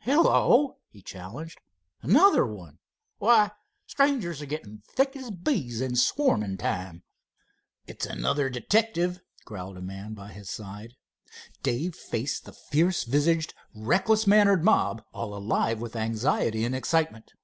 "Hello," he challenged, "another one? Why, strangers are getting thick as bees in swarming time." "It's another detective," growled a man by his side. Dave faced the fierce visaged, reckless mannered mob, all alive with anxiety and excitement.